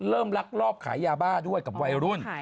เริ่มรักรอบขายยาบ้าด้วยกับวัยรุ่น